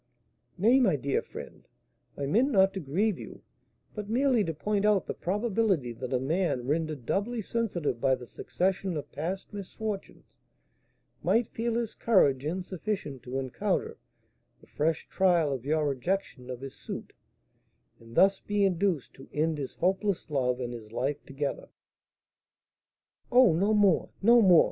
"Nay, my dear friend, I meant not to grieve you, but merely to point out the probability that a man, rendered doubly sensitive by the succession of past misfortunes, might feel his courage insufficient to encounter the fresh trial of your rejection of his suit, and thus be induced to end his hopeless love and his life together." "Oh, no more! no more!"